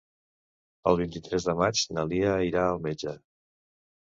El vint-i-tres de maig na Lia irà al metge.